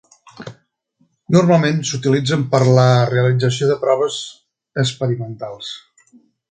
Normalment s'utilitzen per a la realització de proves experimentals.